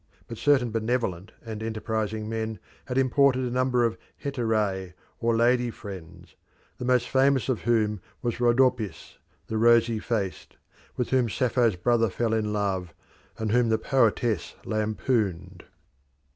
But certain benevolent and enterprising men had imported a number of Heterae or "lady friends," the most famous of whom was Rhodopis, "the rosy faced," with whom Sappho's brother fell in love, and whom the poetess lampooned.